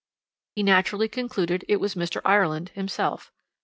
"He naturally concluded it was Mr. Ireland himself.